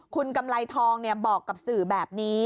คุณกำไรทองบอกกับสื่อแบบนี้